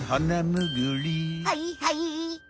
はいはい。